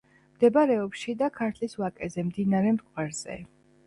მდებარეობს შიდა ქართლის ვაკეზე, მდინარე მტკვარზე.